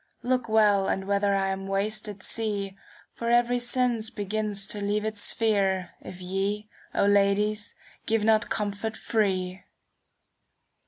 Look well, and whether I am wasted see. For every sense begins to leave its sphere. If ye, O ladies, give not comfort free.